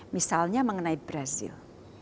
misalnya mengenai brazil